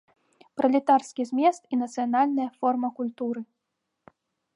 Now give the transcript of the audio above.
Пралетарскі змест і нацыянальная форма культуры!